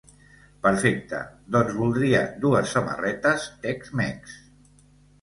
Perfecte, doncs voldria dues samarretes Tex Mex.